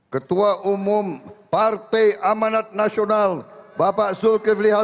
salam sejahtera bagi kita sekalian